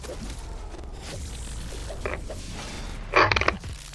该线与北总线共用设施直至印幡日本医大站为止。